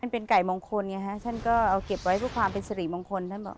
เป็นไก่มงคลไงฮะท่านก็เอาเก็บไว้เพื่อความเป็นสิริมงคลท่านบอก